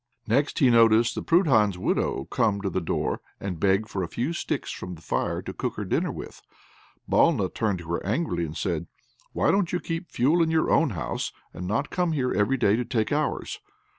Next he noticed the Prudhan's widow come to the door, and beg for a few sticks from the fire to cook her dinner with. Balna turned to her, angrily, and said, "Why don't you keep fuel in your own house, and not come here every day and take ours?